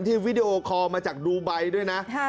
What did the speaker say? วิดีโอคอลมาจากดูไบด้วยนะ